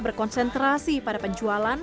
berkonsentrasi pada penjualan